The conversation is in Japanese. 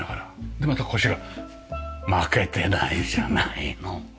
でまたこちら負けてないじゃないの。